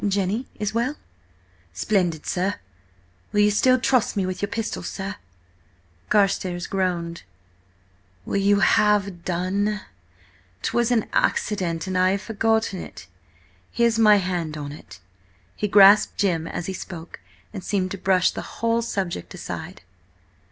Jenny is well?" "Splendid, sir. Will you still trust me with your pistols, sir?" Carstares groaned. "Will you have done? 'Twas an accident, and I have forgotten it. Here's my hand on it!" He grasped Jim's as he spoke, and seemed to brush the whole subject aside.